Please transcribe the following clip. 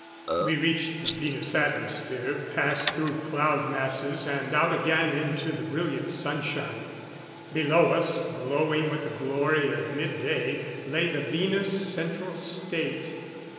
We reached the Venus atmosphere, passed through cloud masses, and out again into the brilliant sunshine. Below us, glowing with the glory of mid day, lay the Venus Central State.